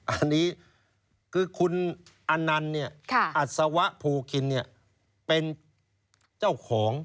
อันนี้คือคุณอนันต์อัศวะโพคินเป็นเจ้าของ